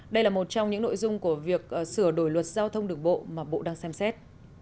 đây là một trong những nội dung của việc sửa đổi luật giao thông đường bộ mà bộ đang xem xét